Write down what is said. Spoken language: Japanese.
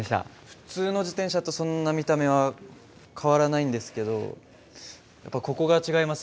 普通の自転車とそんな見た目は変わらないんですけどやっぱここが違いますね。